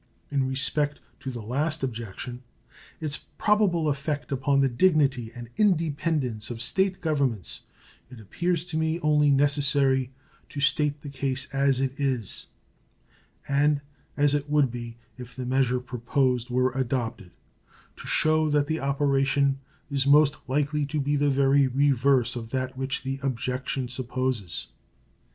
In respect to the last objection its probable effect upon the dignity and independence of State governments it appears to me only necessary to state the case as it is, and as it would be if the measure proposed were adopted, to show that the operation is most likely to be the very reverse of that which the objection supposes.